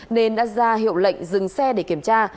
nên đã ra hiệu lệnh dừng xe để kiểm tra